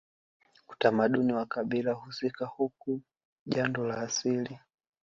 Utamaduni wa kabila husika huku jando la asili